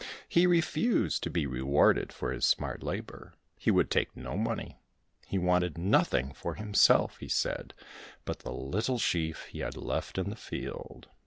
He refused to be rewarded for his smart labour, he would take no money ; he wanted nothing for himself, he said, but the little sheaf he had left in the field.